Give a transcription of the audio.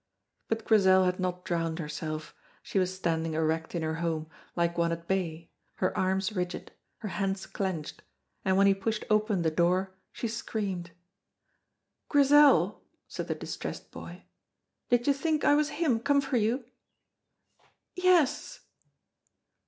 But Grizel had not drowned herself; she was standing erect in her home, like one at bay, her arms rigid, her hands clenched, and when he pushed open the door she screamed. "Grizel," said the distressed boy, "did you think I was him come for you?" "Yes!"